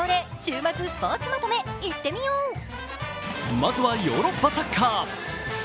まずはヨーロッパサッカー。